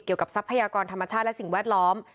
เกี่ยวกับทรัพยากรธรรมชาติและสิ่งแวดล้อม